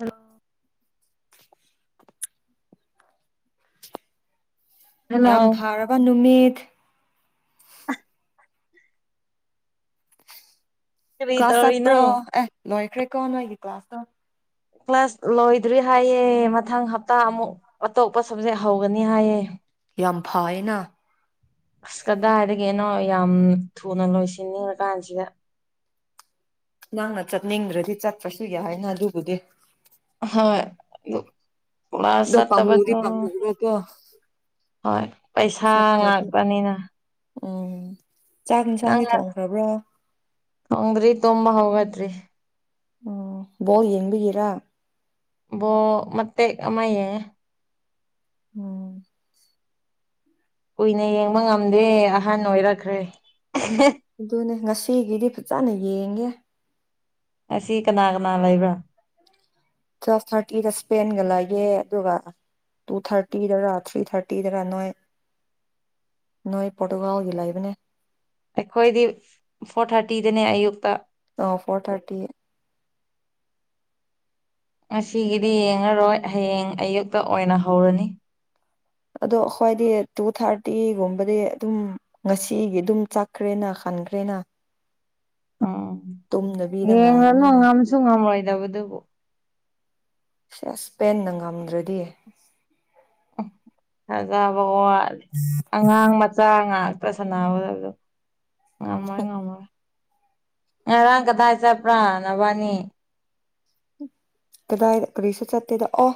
ꯑ [inaudible] ꯍꯜꯂꯣ ꯌꯥꯝ ꯐꯔꯕ ꯅꯨꯃꯤꯠ ꯑ [inaudible] ꯀꯔꯤ ꯀ꯭ꯂꯥꯁ ꯇꯧꯔꯤꯅꯣ ꯆꯠꯄ꯭ꯔꯣ ꯑꯦ ꯂꯣꯏꯈ꯭ꯔꯦꯀꯣ ꯅꯣꯏꯒꯤ ꯀ꯭ꯂꯥꯁꯇ ꯀ꯭ꯂꯥꯁ ꯂꯣꯏꯗ꯭ꯔꯤ ꯍꯥꯏꯌꯦ ꯃꯊꯪ ꯍꯞꯇꯥ ꯑꯃꯨꯛ ꯑꯇꯣꯞꯄ ꯁꯕꯖꯦꯛ ꯍꯧꯒꯅꯤ ꯍꯥꯏꯌꯦ ꯌꯥꯝ ꯐꯥꯏꯅ ꯑꯁ ꯀꯗꯥꯏꯗꯒꯤꯅꯣ ꯌꯥꯝ ꯊꯨꯅ ꯂꯣꯏꯁꯤꯟꯅꯤꯡꯑꯀꯥꯟꯁꯤꯗ ꯅꯪꯅ ꯆꯠꯅꯤꯡꯗ꯭ꯔꯗꯤ ꯆꯠꯄꯁꯨ ꯌꯥꯏꯅ ꯑꯗꯨꯕꯨꯗꯤ ꯍꯣꯏ ꯄꯨ ꯑꯁ ꯀꯂꯥ꯭ꯁ ꯑꯗꯣ ꯄꯥꯝꯃꯨꯗꯤ ꯆꯠꯇꯕꯔꯣ ꯄꯥꯝꯃꯨꯕꯀꯣ ꯍꯣꯏ ꯄꯩꯁꯥ ꯆꯠꯇ꯭ꯔꯗꯤ ꯉꯥꯛꯄꯅꯤꯅ ꯎꯝ ꯆꯥꯛ ꯅꯪ ꯏꯟꯁꯥꯡꯗꯤ ꯊꯣꯡꯈ꯭ꯔꯕ꯭ꯔꯣ ꯊꯣꯡꯗ꯭ꯔꯤ ꯇꯣꯝꯕ ꯍꯧꯒꯠꯇꯔꯤ ꯑꯝ ꯕꯣꯜ ꯌꯦꯡꯕꯒꯤꯔꯥ ꯕꯣꯜ ꯃꯇꯦꯛ ꯑꯃꯥ ꯌꯦꯡꯌꯦ ꯎꯝ ꯀꯨꯏꯅ ꯌꯦꯡꯕ ꯉꯝꯗꯦ ꯑꯍꯟ ꯑꯣꯏꯔꯛꯈ꯭ꯔꯦ ꯑꯗꯨꯅꯦ ꯉꯁꯤꯒꯤꯗꯤ ꯐꯖꯅ ꯌꯦꯡꯉꯦ ꯑꯁꯤ ꯀꯅꯥ ꯀꯅꯥ ꯂꯩꯕ꯭ꯔꯥ ꯇꯨꯋꯤꯞ ꯊꯥꯔꯇꯤꯗ ꯁꯄꯦꯟꯦꯟꯒꯂ ꯒ ꯂꯩꯌꯦ ꯑꯗꯨꯒ ꯇꯨ ꯊꯥꯔꯇꯤꯗꯔꯥ ꯊ꯭ꯔꯤ ꯊꯥꯔꯇꯤꯗꯔ ꯅꯣꯏ ꯅꯣꯏ ꯄꯣꯔꯇꯨꯒꯥꯜꯒꯤ ꯂꯩꯕꯅꯦ ꯑꯩꯈꯣꯏꯗꯤ ꯐꯣꯔ ꯊꯥꯔꯇꯤꯗꯅꯦ ꯑꯌꯨꯛꯇ ꯑꯣ ꯐꯣꯔ ꯊꯔꯇꯤ ꯉꯁꯤꯒꯤꯗꯤ ꯌꯦꯡꯉꯔꯣꯏ ꯍꯌꯦꯡ ꯑꯌꯨꯛꯇ ꯑꯣꯏꯅ ꯍꯧꯔꯅꯤ ꯑꯗꯣ ꯑꯩꯈ꯭ꯣꯏꯗꯤ ꯇꯨ ꯊꯥꯔꯇꯤꯒꯨꯝꯕꯗꯤ ꯑꯗꯨꯝ ꯉꯁꯤꯒꯤ ꯑꯗꯨꯝ ꯆꯠꯈ꯭ꯔꯦꯅ ꯈꯟꯈ꯭ꯔꯦꯅ ꯑꯝ ꯇꯨꯝꯗꯕꯤꯗ ꯉꯥꯏꯕꯅꯤꯅ ꯉꯝꯂꯣꯏꯗꯕꯗꯨꯕꯨ ꯢꯁ꯭ꯄꯦꯟꯅ ꯉꯝꯗ꯭ꯔꯗꯤ ꯐꯖꯕ ꯋꯥꯠꯂꯦ ꯑꯉꯥꯡ ꯆ ꯉꯥꯛꯇ ꯁꯅꯥꯕꯗꯣ ꯉꯝꯃꯣꯏ ꯉꯝꯃꯔꯣꯏ ꯉꯔꯥꯡ ꯀꯗꯥꯏ ꯆꯠꯄ꯭ꯔꯥ ꯅꯕꯅꯤ ꯀꯗꯥꯏ ꯀꯔꯤꯁꯨ ꯆꯠꯇꯦꯗ ꯑꯣ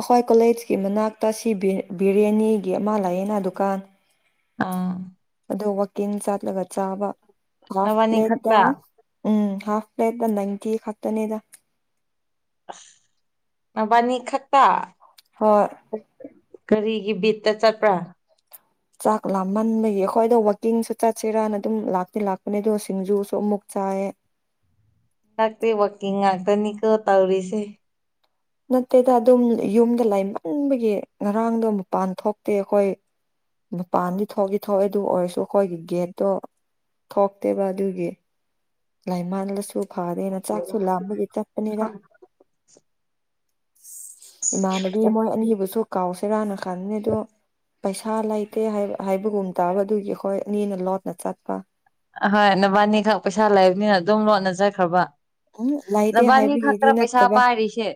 ꯑꯩꯈꯣꯏ ꯀꯣꯂꯦꯖꯀꯤ ꯃꯅꯥꯛꯇ ꯁꯤ ꯕꯤꯔꯌꯥꯅꯤꯒꯤ ꯑꯃ ꯂꯥꯛꯌꯦꯅ ꯗꯨꯀꯥꯟ ꯑꯥ ꯑꯗꯣ ꯋꯥꯛꯀꯤꯟ ꯆꯥꯠꯂꯒ ꯆꯥꯕ ꯍꯥꯞ ꯅꯕꯥꯅꯤ ꯄ꯭ꯂꯦꯠꯇ ꯈꯛꯇ ꯎꯝ ꯍꯥꯞ ꯄ꯭ꯂꯦꯠꯇ ꯅꯥꯏꯟꯇꯤ ꯈꯥꯛꯇꯅꯤꯗ ꯅꯕꯥꯅꯤ ꯈꯠꯇ ꯍꯣꯏ ꯀꯔꯤꯒꯤ ꯕꯤꯠꯇ ꯆꯠꯄ꯭ꯔꯥ ꯆꯥꯛ ꯂꯥꯝꯃꯥꯟꯕꯒꯤ ꯑꯩꯈꯣꯏꯗ ꯋꯥꯛꯀꯤꯡꯁꯨ ꯆꯠꯁꯤꯔꯅ ꯑꯗꯨꯝ ꯂꯥꯛꯇꯤ ꯂꯥꯛꯄꯅꯦ ꯑ ꯁꯤꯡꯖꯨꯁꯨ ꯑꯃꯨꯛ ꯆꯥꯏꯌꯦ ꯉꯥꯛꯇꯦ ꯋꯥꯛꯀꯤꯡ ꯉꯥꯛꯇꯅꯤꯀꯣ ꯇꯧꯔꯤꯁꯦ ꯅꯠꯇꯦꯗ ꯑꯗꯨꯝ ꯌꯨꯝꯗ ꯂꯩꯃꯟꯕꯒꯤ ꯉꯔꯥꯡꯗꯣ ꯃꯄꯥꯟ ꯊꯣꯛꯇꯦ ꯑꯩꯈꯣꯏ ꯃꯄꯥꯟꯗꯤ ꯊꯣꯛꯇꯤ ꯊꯣꯛꯑꯦ ꯑꯗꯨ ꯑꯣꯏꯔꯁꯨ ꯑꯩꯈꯣꯏꯒꯤ ꯒꯦꯠꯇꯣ ꯊꯣꯛꯇꯦꯕ ꯑꯗꯨꯒꯤ ꯂꯥꯏꯃꯟꯂꯁꯨ ꯐꯥꯗꯦꯅ ꯆꯥꯛꯁꯨ ꯂꯥꯝꯕꯒꯤ ꯆꯠꯄꯅꯤꯗ ꯏꯃꯥꯟꯅꯕꯤ ꯃꯣꯏ ꯑꯅꯤꯕꯨꯁꯨ ꯀꯥꯎꯁꯤꯔꯥꯅ ꯈꯥꯟꯅꯦ ꯑꯗꯣ ꯄꯩꯁꯥ ꯂꯩꯇꯦ ꯍꯥꯏꯕ ꯍꯥꯏꯕꯒꯨꯝ ꯇꯥꯕ ꯑꯗꯨꯒꯤ ꯑꯩꯈꯣꯏ ꯑꯅꯤꯅ ꯂꯣꯠꯅ ꯆꯠꯄ ꯑꯍꯣꯏ ꯅꯕꯥꯅꯤꯈꯛ ꯄꯩꯁꯥ ꯂꯩꯕꯅꯤꯅ ꯑꯗꯨꯝ ꯂꯣꯠꯅ ꯆꯠꯈ꯭ꯔꯕ ꯎꯝ ꯂꯩꯇꯦ ꯅꯕꯥꯅꯤ ꯍꯥꯏꯕꯒꯤꯗꯤ ꯈꯛꯇꯔ ꯄꯩꯁꯥ ꯅꯠꯇꯕ ꯄꯥꯏꯔꯤꯁꯦ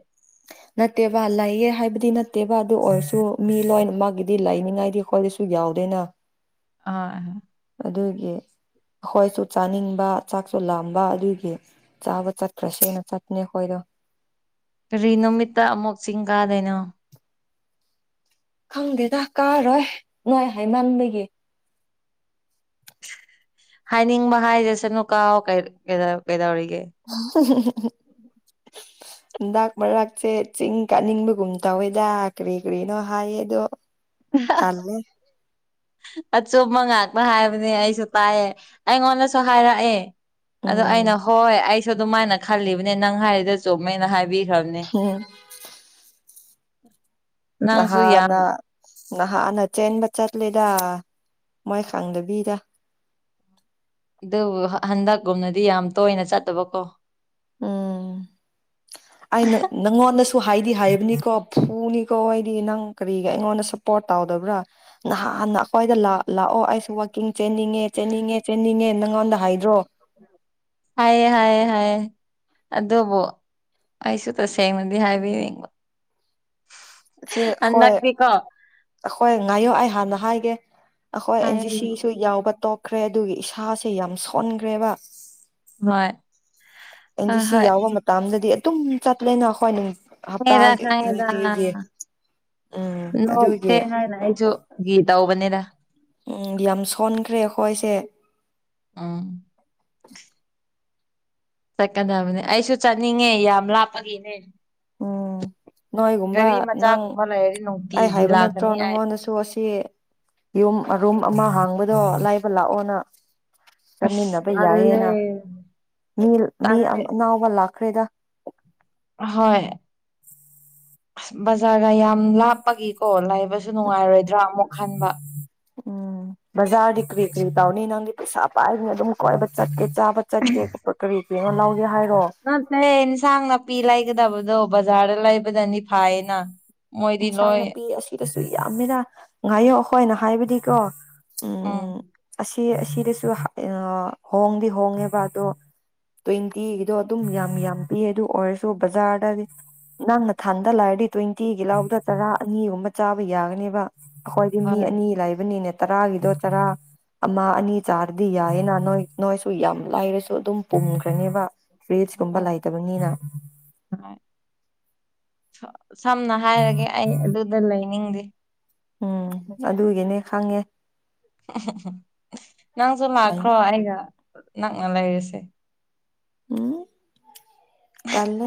ꯅꯠꯇꯦꯕ ꯂꯩꯌꯦ ꯍꯥꯏꯕꯗꯤ ꯅꯠꯇꯦꯕ ꯑꯗꯨ ꯑꯣꯏꯔꯁꯨ ꯃꯤ ꯂꯣꯏꯅ ꯃꯛꯒꯤꯗꯤ ꯂꯩꯅꯤꯉꯥꯏꯗꯤ ꯑꯩꯈꯣꯏꯗꯁꯨ ꯌꯥꯎꯗꯦꯅ [unintelligible] ꯑꯗꯨꯒꯤ ꯑꯩꯈꯣꯏꯁꯨ ꯆꯥꯅꯤꯡꯕ ꯆꯥꯛꯁꯨ ꯂꯥꯝꯕ ꯑꯗꯨꯒꯤ ꯆꯥꯕ ꯆꯠꯈꯔ꯭ꯁꯦꯅ ꯆꯠꯄꯅꯦ ꯈꯣꯏꯗꯣ ꯀꯔꯤ ꯅꯨꯃꯤꯠꯇ ꯑꯃꯨꯛ ꯆꯤꯡ ꯀꯥꯗꯣꯏꯅꯣ ꯈꯪꯗꯦꯗ ꯀꯥꯔꯣꯏ ꯅꯣꯏ ꯍꯥꯏꯃꯟꯕꯒꯤ ꯍꯥꯏꯅꯤꯡꯕ ꯍꯥꯏꯖꯁꯅꯨ ꯀꯥꯎ ꯀꯩꯗꯧꯔꯤꯒꯦ [unintelligible] [inaudible] ꯍꯟꯗꯥꯛ ꯃꯔꯥꯛꯁꯦ ꯆꯤꯡ ꯀꯥꯅꯤꯡꯕꯒꯨꯝ ꯇꯧꯋꯦꯗ ꯀꯔꯤ ꯀꯔꯤꯅꯣ ꯍꯥꯏꯌꯦ ꯑꯗꯣ [unintelligible] ꯇꯜꯂꯦ ꯑꯆꯨꯝꯕ ꯉꯥꯛꯇ ꯍꯥꯏꯕꯅꯦ ꯑꯩꯁꯨ ꯇꯥꯏꯌꯦ ꯑꯩꯉꯣꯟꯗꯁꯨ ꯍꯥꯏꯔꯛꯑꯦ ꯑꯗꯨ ꯎꯝ ꯑꯩꯅ ꯍꯣꯏ ꯑꯩꯁꯨ ꯑꯗꯨꯃꯥꯏꯅ ꯈꯜꯂꯤꯕꯅꯦ ꯅꯪ ꯍꯥꯏꯔꯤꯗꯨ ꯆꯨꯝꯃꯦꯅ ꯍꯥꯏꯕꯤꯈ꯭ꯔꯕꯅꯦ [unintelligible] [inaudible] ꯅꯪꯁꯨ ꯌꯥꯝ ꯅꯍꯥꯟꯅꯥ ꯅꯍꯥꯟꯅ ꯆꯦꯟꯕ ꯆꯠꯂꯦꯗ ꯃꯣꯏ ꯈꯪꯗꯕꯤꯗ ꯗꯨꯕꯨ ꯍꯟꯗꯛꯀꯨꯝꯅꯗꯤ ꯌꯥꯝ ꯇꯣꯏꯅ ꯆꯠꯇꯕꯀꯣ ꯎꯝ [inaudible] ꯑꯩꯅ ꯅꯪꯉꯣꯟꯗꯁꯨ ꯍꯥꯏꯗꯤ ꯍꯥꯏꯕꯅꯤꯀꯣ ꯐꯨꯅꯤꯀꯣ ꯑꯩꯗꯤ ꯅꯪ ꯀꯔꯤꯒꯤ ꯑꯩꯉꯣꯟꯗ ꯁꯨ ꯄꯣꯠ ꯇꯥꯎꯗꯕ꯭ꯔꯥ ꯅꯍꯥꯟꯅ ꯑꯈꯣꯏꯗ ꯂꯥꯛꯑꯣ ꯑꯩꯁꯨ ꯋꯥꯛꯀꯤꯡ ꯆꯦꯟꯅꯤꯡꯉꯦ ꯆꯦꯟꯅꯤꯡꯉꯦ ꯆꯦꯟꯅꯤꯡꯉꯦ ꯅꯪꯉꯣꯟꯗ ꯍꯥꯏꯗ꯭ꯔꯣ ꯍꯥꯏꯌꯦ ꯍꯥꯏꯌꯦ ꯍꯥꯏꯌꯦ ꯑꯗꯨꯕꯨ ꯑꯩꯁꯨ ꯇꯁꯦꯡꯃꯗꯤ ꯍꯥꯏꯕꯤꯅꯤꯡꯕ ꯍꯟꯗꯛꯇꯤ ꯀꯣ ꯑꯈꯣꯏ ꯉꯥꯏꯌꯣꯛ ꯑꯩ ꯍꯥꯟꯅ ꯍꯥꯏꯒꯦ ꯑꯈꯣꯏ ꯑꯦꯟ ꯖꯤ ꯍꯥꯏꯌꯨꯅꯦ ꯁꯤꯁꯨ ꯌꯥꯎꯕ ꯇꯣꯞ ꯈ꯭ꯔꯦ ꯑꯗꯨꯒꯤ ꯏꯁꯥꯁꯦ ꯌꯥꯝ ꯁꯣꯟꯈ꯭ꯔꯦꯕ ꯍꯣꯏ ꯑꯦꯟ ꯖꯤ ꯍꯣꯏ ꯁꯤ ꯍꯣꯏ ꯌꯥꯎꯕ ꯃꯇꯝꯗꯗꯤ ꯑꯗꯨꯝ ꯆꯠꯂꯦꯅ ꯈꯣꯏ ꯈꯪꯉꯦꯗ ꯍꯞꯇꯥꯒꯤ ꯈꯪꯉꯦꯗ ꯅꯨꯡꯇꯤꯒꯤ ꯎꯝ ꯑꯗꯨꯏ [unintelligible] ꯎꯝ ꯌꯥꯝ ꯁꯣꯟꯈ꯭ꯔꯦ ꯑꯈꯣꯏꯁꯦ ꯎꯝ [unintelligible] ꯆꯠꯀꯗꯕꯅꯦ ꯑꯩꯁꯨ ꯆꯠꯅꯤꯡꯉꯦ ꯌꯥꯝ ꯂꯥꯞꯄꯒꯤꯅꯦ ꯎꯝ ꯅꯣꯏꯒꯨꯝꯕ ꯒꯥꯔꯤ ꯅꯪ ꯃꯆꯥꯒꯨꯝꯕ ꯂꯩꯔꯗꯤ ꯑꯩ ꯅꯨꯡꯇꯤꯒꯤ ꯍꯥꯏꯕ ꯅꯠꯇ꯭ꯔꯣ ꯂꯥꯛꯀꯅꯤ ꯑꯩ ꯅꯪꯉꯣꯟꯗꯁꯨ ꯇꯣ ꯑꯁꯤ ꯌꯨꯝ ꯔꯨꯝ ꯑꯃ ꯍꯥꯡꯕꯗꯣ ꯂꯥꯏꯕ ꯂꯥꯛꯑꯣꯅ ꯑꯁ ꯆꯠꯃꯤꯟꯅꯕ ꯇꯜꯂꯦ ꯌꯥꯏꯌꯦꯅ ꯃꯤ ꯃꯤ ꯇꯜꯂꯦ ꯑꯅꯥꯎꯕ ꯂꯥꯛꯈ꯭ꯔꯦꯗ ꯑꯍꯣꯏ ꯑꯁ ꯕꯖꯥꯔꯒ ꯌꯥꯝ ꯂꯥꯞꯄꯒꯤꯀꯣ ꯂꯥꯏꯕꯁꯨ ꯖꯨ ꯎꯝ ꯅꯨꯡꯉꯥꯏꯔꯣꯏꯗ꯭ꯔꯥ ꯑꯃꯨꯛ ꯈꯟꯕ ꯎꯝ ꯕꯖꯥꯔꯗꯤ ꯀꯔꯤ ꯀꯔꯤ ꯇꯥꯎꯅꯤ ꯅꯪꯗꯤ ꯄꯩꯁꯥ ꯄꯥꯏꯕꯅ ꯑꯗꯨꯝ ꯀꯣꯏꯕ ꯆꯠꯀꯦ ꯆꯥꯕ ꯆꯠꯀꯦ ꯈꯣꯠꯄ ꯀꯔꯤ ꯀꯅꯣ ꯂꯧꯒꯦ ꯍꯥꯏꯔꯣ ꯅꯠꯇꯦ ꯏꯟꯁꯥꯡ ꯅꯥꯄꯤ ꯂꯩꯒꯗꯕꯗꯣ ꯕꯖꯥꯔꯗ ꯂꯩꯕꯗꯅꯤ ꯐꯥꯏꯌꯦꯅ ꯃꯣꯏꯗꯤ ꯏꯟꯁꯥꯡ ꯂꯣꯏ ꯅꯥꯄꯤ ꯑꯁꯤꯗꯁꯨ ꯌꯥꯝꯃꯦꯅ ꯉꯥꯏꯌꯣ ꯑꯈꯣꯏꯅ ꯍꯥꯏꯕꯗꯤꯀꯣ ꯎꯝ ꯑꯁꯤ ꯑꯁꯤꯗꯁꯨ ꯍꯣꯡꯗꯤ ꯍꯣꯡꯉꯦꯕ ꯑꯗꯣ ꯇ꯭ꯋꯦꯟꯇꯤꯒꯤꯗꯣ ꯑꯗꯨꯝ ꯌꯥꯝ ꯌꯥꯝ ꯄꯤ ꯑꯗꯨ ꯑꯣꯏꯔꯁꯨ ꯕꯖꯥꯔꯗꯗꯤ ꯅꯪꯅ ꯊꯥꯟꯗ ꯂꯥꯛꯑꯗꯤ ꯇ꯭ꯋꯦꯟꯇꯤ ꯌꯦꯤꯜꯍꯥꯎꯗ ꯆꯔꯥ ꯑꯅꯤꯒꯨꯝꯕ ꯆꯥꯕ ꯌꯥꯒꯅꯦꯕ ꯑꯩꯈꯣꯏꯗꯤ ꯃꯤ ꯍꯣꯏ ꯑꯅꯤ ꯂꯕ ꯅꯤꯅꯦ ꯇꯔꯥꯒꯗꯣ ꯇꯔꯥ ꯑꯃ ꯑꯅꯤ ꯆꯥꯔꯗꯤ ꯌꯥꯏꯌꯦꯅ ꯅꯣꯏ ꯅꯣꯏꯁꯨ ꯌꯥꯝ ꯂꯥꯏꯔꯁꯨ ꯑꯗꯨꯝ ꯄꯨꯝꯈ꯭ꯔꯅꯦꯕ ꯐ꯭ꯔꯤꯖ ꯀꯨꯝꯕ ꯍꯣꯏ ꯂꯩꯇꯕꯅꯤꯅ ꯍꯣꯏ ꯁꯝꯅ ꯍꯥꯏꯔꯒꯦ ꯑꯩ ꯑꯗꯨꯗ ꯂꯩꯅꯤꯡꯗꯦ ꯎꯝ ꯑꯗꯨꯒꯤꯅꯦ ꯈꯪꯉꯦ ꯅꯪꯁꯨ ꯂꯥꯛꯈ꯭ꯔꯣ ꯑꯩꯒ ꯅꯛꯅ ꯂꯩꯔꯤꯁꯦ ꯎꯝ ꯇꯂꯦ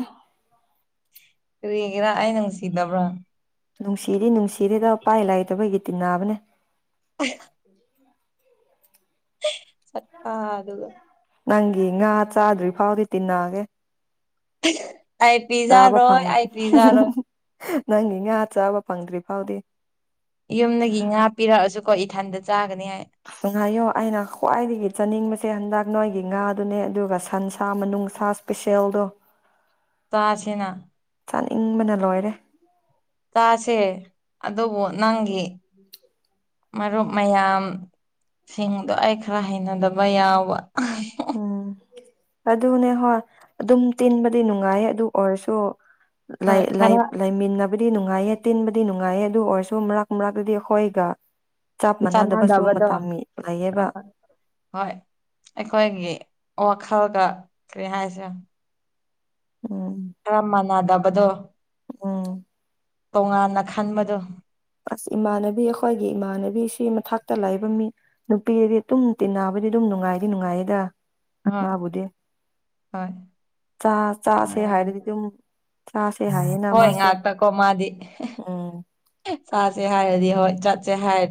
ꯀꯒꯦꯔꯥ ꯑꯩ ꯁꯤꯗꯕ꯭ꯔꯥ ꯅꯨꯡꯁꯤꯔꯤ ꯅꯨꯡꯁꯤꯔꯤꯗ ꯄꯥꯏ ꯂꯩꯥꯏꯇꯕꯒꯤ ꯇꯤꯟꯅꯅꯥꯕꯅꯦ ꯍ [unintelligible] ꯆꯠꯄ ꯑꯗꯨꯒ ꯑꯗꯨꯒ ꯅꯪꯒꯤ ꯉꯥ ꯆꯥꯗ꯭ꯔꯤ ꯐꯥꯎꯗꯤ ꯇꯤꯟꯅꯒꯦ ꯑꯩ ꯄꯤꯖꯥ ꯆꯥꯕ ꯔꯣꯣꯏ ꯐꯪ ꯑꯩꯥꯏ ꯄꯤꯖꯥ ꯔꯣꯏ ꯅꯪꯒꯤ ꯉꯥ ꯆꯥꯕ ꯐꯪꯗ꯭ꯔꯤ ꯐꯥꯎꯗꯤ ꯌꯨꯝꯗꯒꯤ ꯉꯥ ꯄꯤꯔꯛꯑꯁꯨꯀꯣ ꯏꯊꯟꯗ ꯆꯥꯒꯅꯤ ꯍꯥꯏ ꯉꯥꯏꯌꯣ ꯑꯩꯅ ꯈ꯭ꯋꯥꯏꯗꯒꯤ ꯆꯥꯅꯤꯡꯕꯁꯦ ꯍꯟꯗꯛ ꯅꯣꯏꯒꯤ ꯉꯥꯗꯨꯅꯦ ꯑꯗꯨꯒ ꯁꯟꯁ ꯃꯅꯨꯡꯁ ꯄꯤꯁꯦꯜꯗꯣ ꯇꯁꯤꯅ ꯆꯥꯅꯤꯡꯕꯅ ꯂꯣꯏꯔꯦ ꯆꯥꯁꯦ ꯑꯗꯨꯕꯨ ꯅꯪꯒꯤ ꯃꯔꯨꯞ ꯃꯌꯥꯝ ꯁꯤꯡꯗꯣ ꯑꯩ ꯈꯔ ꯍꯩꯅꯗꯕ ꯌꯥꯎꯕ ꯎꯝ ꯑꯗꯨꯅꯦ ꯍꯣꯏ ꯑꯗꯨꯝ ꯇꯤꯟꯕꯗꯤ ꯅꯨꯡꯉꯥꯏ ꯑꯗꯨ ꯑꯣꯏꯔꯁꯨ ꯂ ꯍꯣꯏ ꯂꯥꯏ ꯈꯔ ꯂꯩꯃꯤꯟꯅ ꯍꯥꯏꯕꯗꯤ ꯅꯨꯡꯉꯥꯏꯌꯦ ꯇꯤꯟꯕꯗꯤ ꯅꯨꯡꯉꯥꯏꯌꯦ ꯑꯗꯨ ꯑꯣꯏꯔꯁꯨ ꯃꯔꯛ ꯃꯔꯛꯇꯗꯤ ꯍꯈꯣꯏꯒ ꯆꯞ ꯃꯥꯟꯅꯗꯕ ꯁꯤꯒꯨꯝꯕ ꯆꯥꯟꯅꯗꯕꯗꯣ ꯇꯥꯃꯤ ꯂꯩꯌꯦꯕ ꯑꯍꯣꯏ ꯍꯣꯏ ꯑꯩꯈꯣꯏꯒꯤ ꯋꯥꯈꯜꯒ ꯀꯔꯤ ꯍꯥꯏꯁꯦ ꯎꯝ ꯔꯃꯅꯥꯗꯕꯗꯣ ꯎꯝ ꯇꯣꯉꯥꯟꯅ ꯈꯟꯕꯗꯣ ꯑꯁ ꯏꯃꯥꯟꯅꯕꯤ ꯑꯩꯈꯣꯏꯒꯤ ꯏꯃꯥꯟꯅꯕꯤ ꯁꯤ ꯃꯊꯥꯛꯛꯇ ꯂꯥꯛꯕ ꯃꯤ ꯅꯨꯄꯤꯗꯤ ꯑꯗꯨꯝ ꯇꯤꯟꯅꯕꯗꯤ ꯑꯗꯨꯝ ꯅꯨꯡꯉꯥꯏꯗꯤ ꯅꯨꯡꯉꯥꯏꯔꯤꯗ ꯍꯣꯏ ꯃꯥꯕꯨꯗꯤ ꯍꯣꯏ ꯆ ꯆꯥꯁꯦ ꯍꯥꯏꯔꯗꯤ ꯑꯗꯨꯝ ꯆꯥꯁꯦ ꯍꯥꯏꯌꯦꯅ ꯍꯣꯏ ꯃꯥꯁꯨ ꯎꯝ ꯁꯥꯥꯁꯦ ꯍꯥꯏꯔꯗꯤ ꯍꯣꯏ ꯆꯠ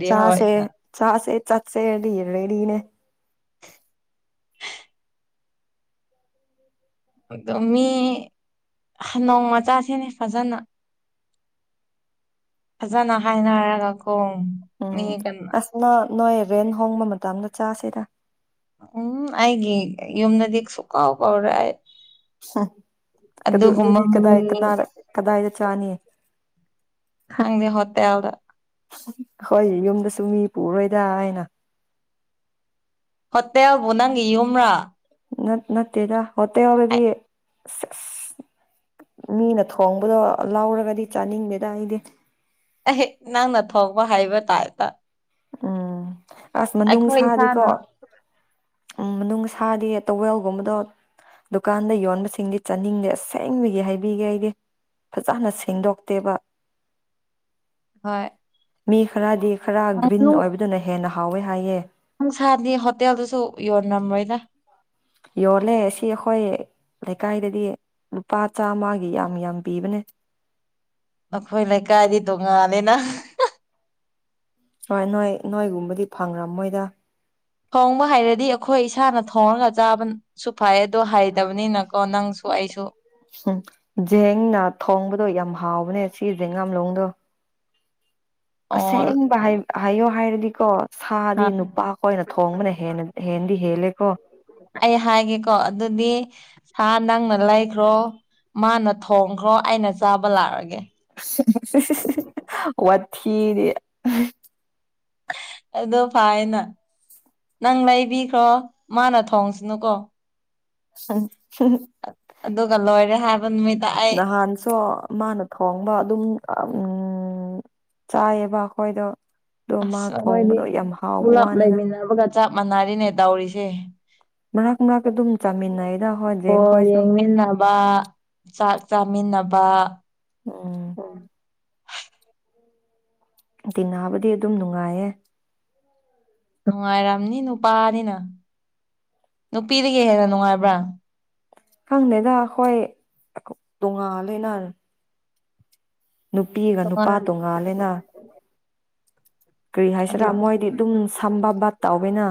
ꯆꯥꯁꯦ ꯆꯥꯁꯦ ꯆꯠꯁꯦꯦꯅꯦ ꯑꯗꯣ ꯃꯤ ꯅꯣꯡ ꯃꯆꯥꯁꯤꯅꯦ ꯐꯖꯅ ꯐꯖꯅ ꯍꯥꯏꯅꯔꯒ ꯀꯣ ꯎꯝ ꯑꯁ ꯅ ꯅꯣꯏ ꯔꯦꯟ ꯍꯣꯡꯕ ꯃꯇꯝꯗ ꯆꯥꯁꯤꯔ ꯎꯝ ꯑꯩꯒꯤ ꯌꯝꯅꯗꯤꯒ ꯁꯨꯈ ꯍꯕꯎ꯭ꯔ ꯑꯗꯨꯗꯤ ꯃꯤ ꯀꯗꯥꯏ ꯀꯗꯥꯏꯗ ꯆꯥꯅꯤꯌꯦ ꯍꯪꯗꯤꯦ ꯍꯠꯇꯦ ꯌꯥꯎꯗ ꯍꯣꯏ ꯌꯨꯝꯗꯁꯨ ꯃꯤ ꯄꯨꯔꯣꯏꯗ ꯍꯥꯏꯅ ꯍꯣꯇꯦꯜꯕꯨ ꯅꯪꯒꯤ ꯌꯨꯝ꯭ꯔꯥ ꯅ ꯅꯠꯇꯦꯗ ꯍꯠꯇꯦ ꯌꯔꯗꯤ ꯑꯁ ꯃꯤꯅ ꯊꯣꯡꯕꯗꯣ ꯂꯧꯔꯒꯗꯤ ꯆꯥꯅꯤꯡꯗꯦꯗ ꯑꯩꯗꯤ ꯑꯩꯍꯦꯛ ꯅꯪꯅ ꯊꯣꯛꯄ ꯍꯥꯏꯕ ꯇꯥꯢꯄꯠꯇꯥ ꯎꯝ ꯑꯁ ꯃꯅꯨꯡ ꯑꯩꯈꯣꯏ ꯅꯨꯡꯁꯥꯗꯤꯀꯣ ꯏꯁꯥꯅ ꯃꯅꯨꯡ ꯁꯥꯗꯤ ꯇꯋꯦꯜꯒꯨꯝꯕꯗꯣ ꯗꯨꯀꯥꯟꯗ ꯌꯣꯟꯕꯁꯤꯡꯗꯤ ꯆꯥꯅꯤꯡꯗꯦ ꯑꯁꯦꯡꯕꯒꯤ ꯍꯥꯏꯕꯤꯒꯦ ꯑꯩꯗꯤ ꯐꯖꯅ ꯁꯦꯡꯗꯣꯛꯇꯦꯕ ꯍꯣꯏ ꯃꯤ ꯈꯔꯗꯤ ꯈꯔ ꯒ꯭ꯔꯤꯟ ꯑꯣꯏꯕꯗꯨꯅ ꯍꯦꯟꯅ ꯍꯥꯎꯋꯦ ꯍꯥꯏꯌꯦ꯫ ꯁꯥꯗꯤ ꯍꯣꯇꯦꯜꯗꯨꯁꯨ ꯌꯣꯟ ꯅꯝꯃꯣꯏꯗ ꯌꯣꯜꯂꯦ ꯁꯤ ꯑꯩꯈꯣꯏ ꯂꯩꯀꯥꯏꯗꯗꯤ ꯂꯨꯄꯥ ꯆꯥꯃꯒꯤ ꯌꯥꯝ ꯌꯥꯝ ꯄꯤꯕꯅꯦ꯫ ꯅꯈꯣꯏ ꯂꯩꯀꯥꯏꯗꯤ ꯇꯣꯉꯥꯂꯅꯅ ꯍꯣꯏ ꯅꯣꯏ ꯅꯣꯏꯒꯨꯝꯕꯗꯤ ꯐꯪꯈ꯭ꯔ ꯃꯣꯏꯗ ꯊꯣꯡꯕ ꯍꯥꯏꯔꯗꯤ ꯑꯩꯈꯣꯏ ꯏꯁꯥꯅ ꯊꯣꯡꯉꯒ ꯆꯥꯕ ꯁꯨ ꯐꯩ ꯑꯗꯣ ꯍꯥꯏꯩꯗꯕꯅꯤꯅꯀꯣ ꯅꯪꯁꯨ ꯑꯩꯁꯨ ꯎꯝ ꯖꯦꯡꯅ ꯊꯣꯡꯕꯗꯣ ꯌꯥꯝ ꯍꯥꯎꯕꯅꯦ ꯁꯤ ꯖꯦꯡꯒꯥꯥꯝꯂꯣꯡꯗꯣ ꯑꯣ ꯑꯁꯦꯡꯕ ꯍꯥꯏ ꯍꯥꯏꯌꯣ ꯍꯥꯏꯔꯗꯤꯀꯣ ꯁꯥꯗꯤ ꯅꯨꯄꯥꯈ ꯑꯣꯏꯅ ꯊꯣꯡꯕꯅ ꯍꯦꯟꯗꯤ ꯍꯦꯜꯂꯦꯀꯣ ꯑꯩ ꯍꯥꯏꯒꯦꯀꯣ ꯑꯗꯨꯗꯤ ꯁꯥ ꯅꯪꯅ ꯂꯩꯈ꯭ꯔꯣ ꯃꯥꯅ ꯊꯣꯡꯈ꯭ꯔꯣ ꯑꯩꯅ ꯆꯥꯕ ꯂꯥꯛꯑꯒꯦ ꯋꯥꯊꯤꯗꯤ ꯑꯗꯨ ꯐꯥꯏꯅ ꯅꯪ ꯂꯩꯕꯤꯈ꯭ꯔꯣ ꯃꯥꯅ ꯊꯣꯡꯁꯤꯅꯨꯀꯣ [unintelligible] ꯑꯗꯨꯒ ꯂꯣꯏꯔꯦ ꯍꯥꯏ ꯃꯤꯗ ꯅꯍꯥꯟꯁꯨꯣ ꯃꯥꯅ ꯊꯣꯡꯕ ꯑꯗꯨꯝ ꯆꯥꯏꯌꯦꯕ ꯑꯩꯈꯣꯏꯗ ꯑꯁ ꯑꯩꯈꯣꯏꯗꯤ ꯄꯨꯂꯞ ꯋꯥꯅꯤꯗ ꯂꯩꯃꯤꯟꯅꯕꯒ ꯆꯞ ꯃꯥꯟꯅꯔꯤꯅꯦ ꯇꯧꯔꯤꯁꯦ꯫ ꯃꯔꯛ ꯃꯔꯛꯇꯥ ꯑꯗꯨꯝ ꯆꯥꯃꯤꯟꯅꯩꯗ ꯍꯣꯏ ꯕꯣꯜ ꯖꯦꯡꯈꯣꯏꯁꯨ꯫ ꯌꯦꯡꯃꯤꯟꯅꯕ ꯆꯥꯛ ꯆꯥꯃꯤꯟꯅꯕ ꯎꯝ ꯇꯤꯟꯅꯕꯗꯤ ꯑꯗꯨꯝ ꯅꯨꯡꯉꯥꯏꯌꯦ꯫ ꯅꯨꯡꯉꯥꯏꯔꯝꯅꯤ ꯅꯨꯄꯥꯅꯤꯅ ꯅꯨꯄꯤꯗꯒꯤ ꯍꯦꯟꯅ ꯅꯨꯡꯉꯥꯏꯕ꯭ꯔꯥ? ꯈꯪꯗꯦꯗꯥ ꯑꯩꯈꯣꯏ ꯇꯣꯉꯜ ꯂꯤꯅ ꯅꯨꯄꯤꯒ ꯅꯨꯄꯥ ꯇꯣꯉꯥꯜꯂꯦꯅ ꯀꯔꯤ ꯑꯗꯨ ꯍꯥꯏꯁꯤꯔꯥ ꯃꯣꯏꯗꯤ ꯑꯗꯨꯝ ꯁꯝꯕ ꯕꯥꯗ ꯇꯧꯋꯦꯅ꯫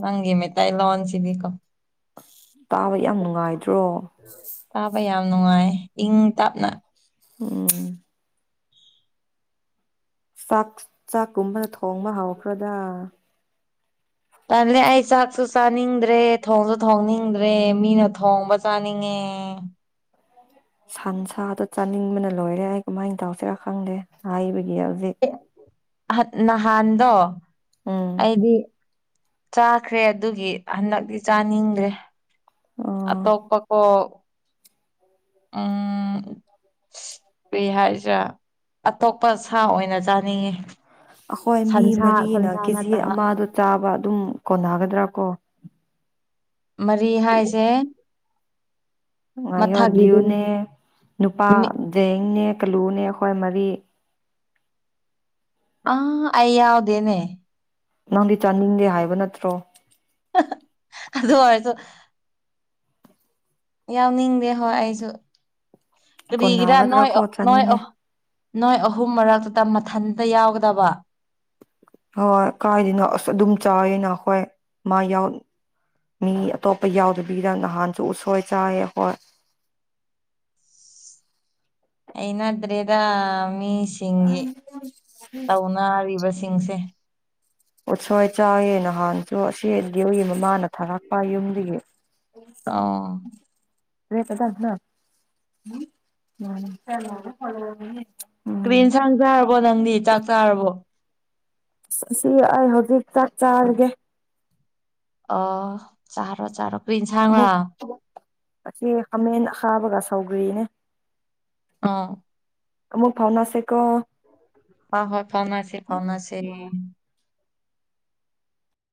ꯅꯪꯒꯤ ꯃꯩꯇꯩꯂꯣꯟ ꯁꯤꯗꯤꯀꯣ꯫ ꯑꯁ ꯇꯥꯕ ꯌꯥꯝ ꯅꯨꯡꯉꯥꯏꯗ꯭ꯔꯣ? ꯇꯥꯕ ꯌꯥꯝ ꯅꯨꯡꯉꯥꯏ ꯏꯪ ꯇꯞꯅ ꯎꯝ ꯆꯥꯛ ꯆꯥꯛꯀꯨꯝꯕꯅ ꯊꯣꯡꯕ ꯍꯧꯈ꯭ꯔꯗ ꯇꯜꯂꯥ ꯆꯥꯛꯁꯨ ꯆꯥꯅꯤꯡꯗ꯭ꯔꯦ ꯊꯣꯡꯁꯨ ꯊꯣꯡꯅꯤꯡꯗ꯭ꯔꯦ ꯃꯤꯅ ꯊꯣꯡꯕ ꯆꯥꯅꯤꯡꯉꯦ꯫ ꯁꯟꯁꯥꯗꯣ ꯆꯥꯅꯤꯡꯕꯅ ꯂꯣꯏꯔꯦ ꯑꯩ ꯀꯃꯥꯏꯅ ꯇꯧꯁꯤꯔꯥ ꯈꯪꯗꯦ ꯍꯥꯏꯕꯒꯤ ꯍꯧꯖꯤꯛ ꯅꯍꯥꯟꯗꯣ ꯎꯝ ꯑꯩꯗꯤ ꯆꯥꯈ꯭ꯔꯦ ꯑꯗꯨꯒꯤ ꯍꯟꯗꯛꯇꯤ ꯆꯥꯅꯤꯡꯗ꯭ꯔꯦ꯫ ꯑꯣ ꯑꯇꯣ ꯀꯀ ꯎ ꯏꯁꯔꯤ ꯍꯥꯏꯁꯤꯔꯥ ꯑꯇꯣꯞꯄ ꯁꯥ ꯑꯣꯏꯅ ꯆꯥꯅꯤꯡꯉꯤ꯫ ꯑꯩꯈꯣꯏ ꯃꯤ ꯃꯔꯤꯅ ꯀꯦꯖꯤ ꯑꯃꯗꯣ ꯆꯥꯕ ꯑꯗꯨꯝ ꯀꯣꯟꯅꯒꯗ꯭ꯔꯥ ꯀꯣ ꯃꯔꯤ ꯍꯥꯏꯁꯦ꯫ ꯉꯉꯥꯏꯌꯣ ꯃꯊꯛꯒꯤꯗꯨꯅꯤ ꯗ꯭ꯌꯨꯅꯦ ꯅꯨꯄꯥ ꯖꯌꯦꯡꯅꯦ ꯀꯂꯨꯅꯦ ꯑꯩꯈꯣꯏ ꯃꯔꯤ ꯑ ꯑꯩ ꯌꯥꯎꯗꯦꯅꯦ꯫ ꯅꯪꯗꯤ ꯆꯥꯅꯤꯡꯗꯦ ꯍꯥꯏꯕ ꯅꯠꯇ꯭ꯔꯣ ꯑꯗꯨ ꯑꯣꯏꯔꯁꯨ ꯌꯥꯎꯅꯤꯡꯗꯦ ꯍꯣꯏ ꯑꯩꯁꯨ ꯀꯔꯤꯒꯤꯔ ꯀꯣꯟꯅꯒꯗ꯭ꯔꯥ ꯅꯣꯏ ꯀꯣ ꯑꯣ ꯅꯣꯏ ꯑꯣ ꯆꯥꯅꯤꯡꯉꯦ ꯅꯣꯏ ꯑꯍꯨꯝ ꯃꯔꯛꯇꯨꯗ ꯃꯊꯟꯇ ꯌꯥꯎꯒꯗꯕ ꯍꯣꯏ ꯀꯥꯏꯗꯅꯣ ꯑꯁ ꯑꯗꯨꯝ ꯆꯥꯏꯌꯦꯅ ꯑꯩꯈꯣꯏ ꯃꯥ ꯌꯥꯎ ꯃꯤ ꯑꯇꯣꯞꯄ ꯌꯥꯎꯗꯕꯤꯗ ꯅꯍꯥꯟꯁꯨ ꯎꯠꯁꯣꯏ ꯆꯥꯏꯌꯦ ꯑꯩꯈꯣꯢ ꯍꯩꯅꯗ꯭ꯔꯦꯗ ꯃꯤꯁꯤꯡꯒꯤ ꯇꯧꯅꯔꯤꯕꯁꯤꯡꯁꯦ ꯎꯠꯁꯣꯏ ꯆꯥꯏꯌꯦ ꯅꯍꯥꯟꯁꯨ ꯑꯁꯤ ꯗꯔ꯭ꯤ ꯎꯒꯤ ꯃꯃꯥꯅ ꯊꯥꯔꯛꯄ ꯌꯨꯝꯗꯒꯤ ꯑꯣ [unintelligible] ꯀ꯭ꯔꯤ ꯍꯦꯟꯁꯥꯡ ꯆꯥꯔꯕꯣ ꯅꯪꯗꯤ ꯆꯥꯛ ꯆꯥꯔꯕꯣ ꯑꯁꯤ ꯑꯩ ꯍꯧꯖꯤꯛ ꯆꯥꯛ ꯆꯥꯔꯒꯦ ꯑꯣ ꯆꯥꯔꯣ ꯆꯥꯔꯣ ꯀꯔꯤ ꯍꯦꯟꯁꯥꯡꯔ ꯑꯃꯨꯛ ꯑꯁꯤ ꯈꯥꯃꯦꯟ ꯑꯈꯥꯕꯒ ꯁꯧꯒ꯭ꯔꯤꯅꯦ ꯑꯥ ꯑꯃꯨꯛ ꯐꯥꯎꯅꯥꯁꯦ ꯀꯣ ꯍ ꯍꯣꯏ ꯐꯥꯎꯅꯁꯦ ꯐꯥꯎꯅꯁꯦ